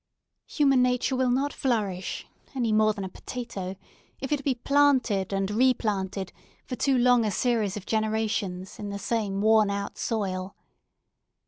Human nature will not flourish, any more than a potato, if it be planted and re planted, for too long a series of generations, in the same worn out soil.